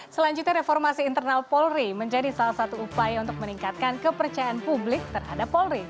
selanjutnya reformasi internal polri menjadi salah satu upaya untuk meningkatkan kepercayaan publik terhadap polri